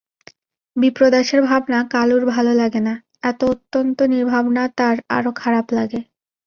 বিপ্রদাসের ভাবনা কালুর ভালো লাগে না– এত অত্যন্ত নির্ভাবনা তার আরো খারাপ লাগে।